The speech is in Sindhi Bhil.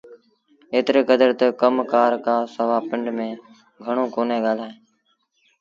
ايتري ڪدر تا ڪم ڪآر کآݩ سوا پنڊ ميݩ گھڻوݩ ڪونهيٚ ڳآلائيٚݩ